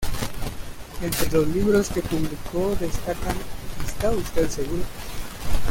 Entre los libros que publicó, destacan "¿Está usted seguro?